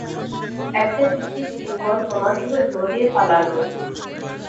একটা পিচ্চি সিউয়ান তোমার চোখে ধুলো দিয়ে পালাল।